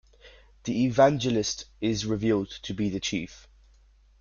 The evangelist is revealed to be the chief.